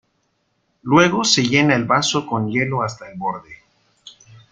Luego se llena el vaso con hielo hasta el borde.